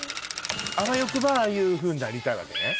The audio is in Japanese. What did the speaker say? あわよくばああいうふうになりたいわけね？